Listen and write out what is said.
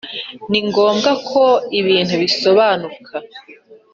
ni ngombwa ko ibintu bisobanuka